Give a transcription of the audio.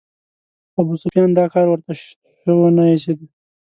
ابوسفیان دا کار ورته شه ونه ایسېده.